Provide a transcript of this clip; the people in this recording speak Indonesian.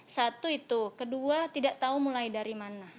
satu itu kedua tidak tahu mulai dari mana